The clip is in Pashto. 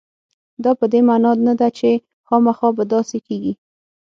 دا په دې معنا نه ده چې خامخا به داسې کېږي.